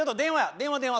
電話電話。